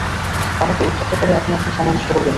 আমাকে উক্তত্য করে আপনি আপনার সময় নষ্ট করবেন না।